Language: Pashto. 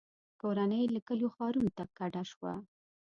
• کورنۍ له کلیو ښارونو ته کډه شوه.